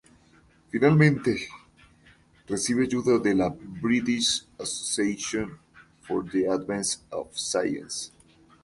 Finalmente, recibe ayuda de la British Association for the Advancement of Science.